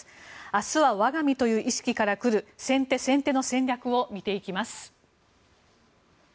明日は我が身という考えから来る先手先手の対策を見ていきます。